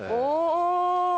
お。